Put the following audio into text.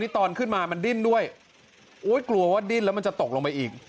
ตอนขึ้นมามันดิ้นด้วยโอ้ยกลัวว่าดิ้นแล้วมันจะตกลงไปอีก